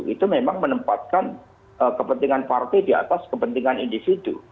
itu memang menempatkan kepentingan partai di atas kepentingan individu